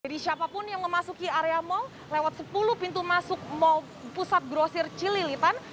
jadi siapapun yang memasuki area mall lewat sepuluh pintu masuk mall pusat grosir cililitan